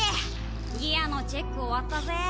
ギアのチェック終わったぜ。